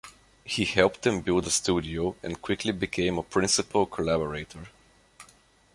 He helped them build a studio, and quickly became a principal collaborator.